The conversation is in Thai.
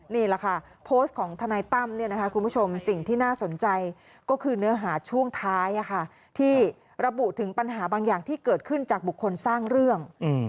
นี่แหละค่ะโพสต์ของทนายตั้มคุณผู้ชมสิ่งที่น่าสนใจก็คือเนื้อหาช่วงท้ายที่ระบุถึงปัญหาบางอย่างที่เกิดขึ้นจากบุคคลสร้างเรื่อง